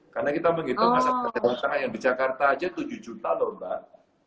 karena kita menghitung masyarakat jawa tengah yang di jakarta aja tujuh juta loh mbak